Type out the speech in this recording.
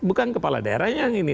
bukan kepala daerah yang ini